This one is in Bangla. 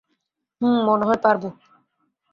হুম, মনে হয়, পারবো।